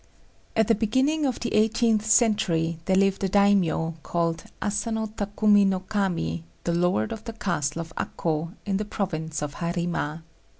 At the beginning of the eighteenth century there lived a daimio, called Asano Takumi no Kami, the Lord of the castle of Akô, in the province of Harima.